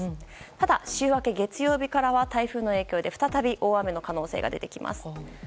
ただ、週明け月曜日からは台風の影響で再び大雨の可能性が出てきます。